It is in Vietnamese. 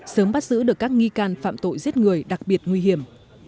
sớm bắt giữ được các nghi can phạm tội giết người đặc biệt nguy hiểm